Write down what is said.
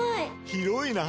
広いな！